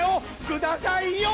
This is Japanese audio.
くださいよ！